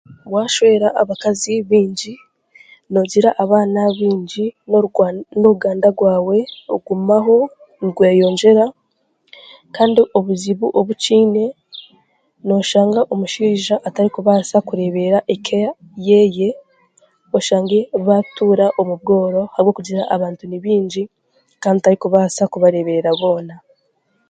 Waashwera abakazi baingi noogira abaana baingi noruga n'oruganda rwawe rugumaho nirweyongyera, kandi obuzibu obu kiine, nooshanga omushaija atarikubaasa kureeberera eeka ei oshange yaatuura omu bworo ahabwokugira abantu ni baingi kandi t'arikubaasa kubareeberera boona.